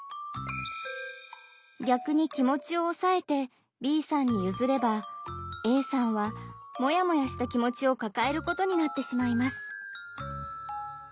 逆に気持ちをおさえてＢさんにゆずればＡさんはモヤモヤした気持ちをかかえることになってしまいます。